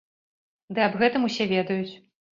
Ды аб гэтым усе ведаюць.